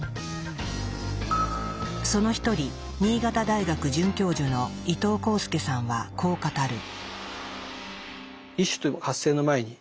その一人新潟大学准教授の伊藤浩介さんはこう語る。